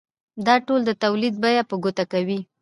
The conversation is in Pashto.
دا ټول د تولید بیه په ګوته کوي